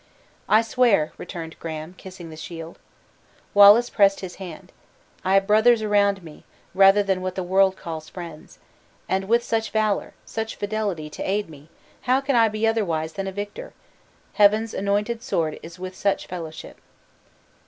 "I swear," returned Graham, kissing the shield. Wallace pressed his hand. "I have brothers around me, rather than what the world calls friends! And with such valor, such fidelity to aid me, can I be otherwise than a victor? Heaven's anointed sword is with such fellowship!"